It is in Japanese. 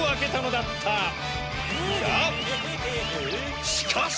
がしかし！